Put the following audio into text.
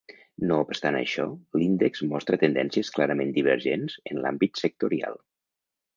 No obstant això, l’índex mostra tendències clarament divergents en l’àmbit sectorial.